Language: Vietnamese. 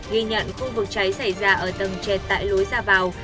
ghi nhận khu vực cháy xảy ra ở tầng trệt tại lối ra vào